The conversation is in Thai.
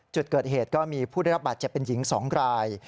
จุดเกิดเหตุก็มีผู้ได้รับบาดเจ็บเป็นหญิง๒ราย